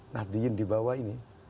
nadien di bawah ini